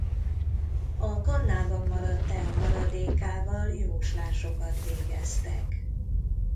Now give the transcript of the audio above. A kannában maradt tea maradékával jóslásokat végeztek.